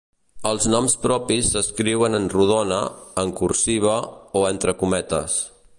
Els noms propis s'escriuen en rodona, en cursiva o entre cometes.